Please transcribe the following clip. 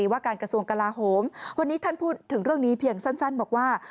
วันนี้ท่านพูดถึงเรื่องนี้เพียงสั้นบอกว่า